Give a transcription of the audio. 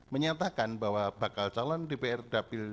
menyatakan bahwa bakal calon dpr dapil